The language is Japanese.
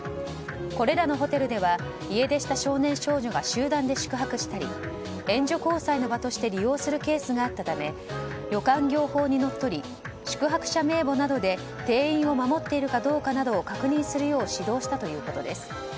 これらのホテルでは家出した少年・少女が集団で宿泊したり援助交際の場として利用するケースがあったため旅館業法にのっとり宿泊者名簿などで定員を守っているかどうかなどを確認するよう指導したということです。